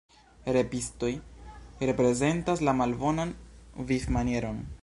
Repistoj reprezentas la malbonan vivmanieron.